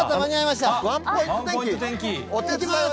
ワンポイント天気。